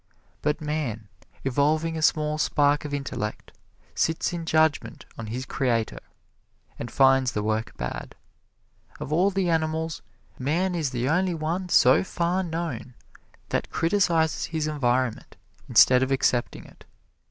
But man, evolving a small spark of intellect, sits in judgment on his Creator, and finds the work bad. Of all the animals, man is the only one so far known that criticizes his environment, instead of accepting it.